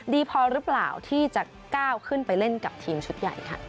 ดีพอหรือเปล่าที่จะก้าวขึ้นไปเล่นกับทีมชุดใหญ่ค่ะ